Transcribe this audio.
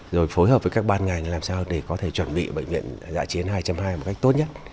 rồi phối hợp với các ban ngành làm sao để có thể chuẩn bị bệnh viện giã chiến hai hai một cách tốt nhất